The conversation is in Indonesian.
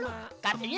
ya udah di situ